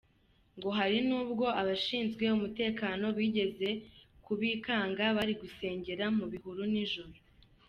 Ngo hari nubwo abashinzwe umutekano bigeze kubikanga bari gusengera mu bihuru nijoro.